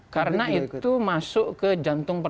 karena itu masuk ke